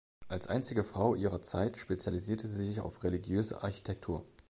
Als einzige Frau ihrer Zeit spezialisierte sie sich auf religiöse Architektur.